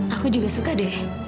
aku juga suka deh